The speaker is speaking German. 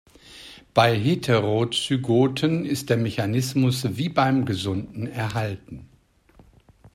Bei Heterozygoten ist der Mechanismus wie beim Gesunden erhalten.